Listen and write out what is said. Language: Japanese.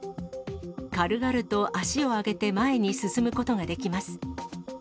軽々と足を上げて前に進むことができます。